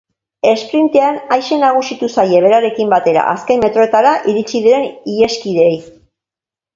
Esprintean aise nagusitu zaie berarekin batera azken metroetara iritsi diren iheskideei.